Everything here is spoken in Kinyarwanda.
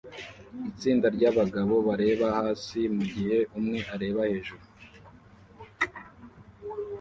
Itsinda ryabagabo bareba hasi mugihe umwe areba hejuru